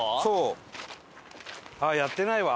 あっやってないわ。